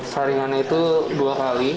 saringannya itu dua kali